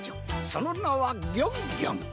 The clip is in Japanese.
そのなはギョンギョン。